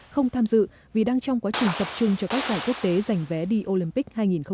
không tham dự vì đang trong quá trình tập trung cho các giải quốc tế giành vé đi olympic hai nghìn hai mươi